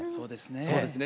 そうですね。